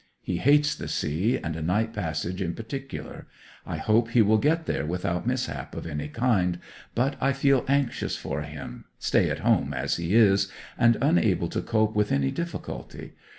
He hates the sea, and a night passage in particular. I hope he will get there without mishap of any kind; but I feel anxious for him, stay at home as he is, and unable to cope with any difficulty.